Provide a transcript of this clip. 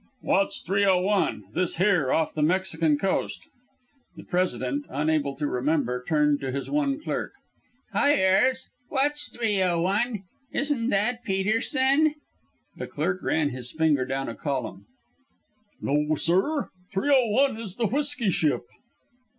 "What's 301? This here, off the Mexican coast?" The President, unable to remember, turned to his one clerk: "Hyers, what's 301? Isn't that Peterson?" The clerk ran his finger down a column: "No, sir; 301 is the Whisky Ship."